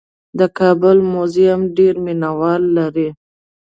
د کابل موزیم ډېر مینه وال لري.